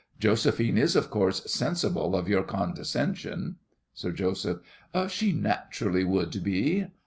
Josephine is of course sensible of your condescension. SIR JOSEPH. She naturally would be.